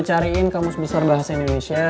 jadi gue ikutan juga